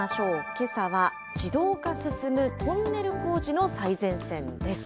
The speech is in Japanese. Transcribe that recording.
けさは、自動化進むトンネル工事の最前線です。